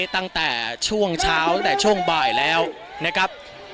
ตั้งแต่ช่วงเช้าตั้งแต่ช่วงบ่ายแล้วนะครับ